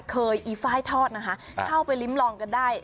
อีไฟล์ทอดนะคะเข้าไปลิ้มลองกันได้